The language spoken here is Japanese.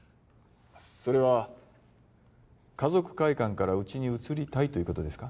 それは華族会館からうちに移りたいということですか？